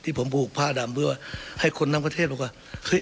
ที่ผมพูดผ้าดำเพื่อว่าให้คนนักประเทศบอกว่าเฮ้ย